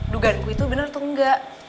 dugaanku itu benar atau enggak